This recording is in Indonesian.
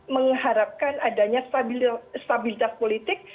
mengharapkan adanya stabilitas politik